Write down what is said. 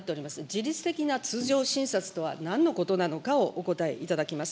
じりつ的な通常診察とはなんのことなのかをお答えいただきたい。